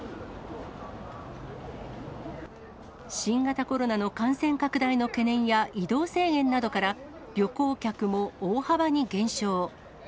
新型コロナの感染拡大の懸念や、移動制限などから旅行客も大幅に減少。